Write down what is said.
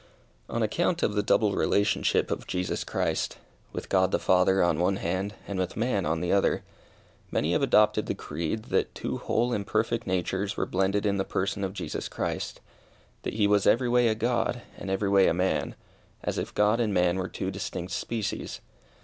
On account of the double relationship of Jesus Christ with God the Father on one hand, and with man on the other, many have adopted the creed, that "Two whole and perfect natures" were blended in the person of Jesus Christ; that he was every way a God, and every way a man; as if God and man were two distinct species.